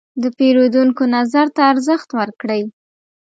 د پیرودونکو نظر ته ارزښت ورکړئ.